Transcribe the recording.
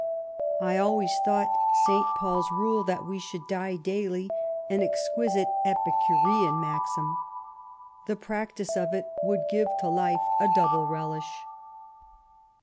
I always thought St. Paul's rule, that we should die daily, an ex quisite Epicurean maxim. The practice of it would give to life a double relish.